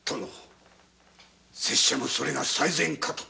私もそれが最善かと。